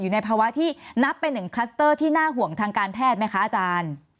ในภาวะที่นับเป็นหนึ่งคลัสเตอร์ที่น่าห่วงทางการแพทย์ไหมคะอาจารย์